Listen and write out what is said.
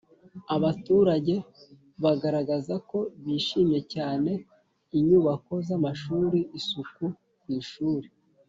Abaturage bagaragaza ko bishimiye cyane inyubako z amashuri isuku ku ishuri